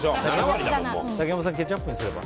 竹山さん、ケチャップにすれば？